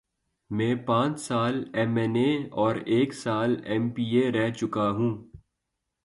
میں پانچ سال ایم این اے اور ایک سال ایم پی اے رہ چکا ہوں۔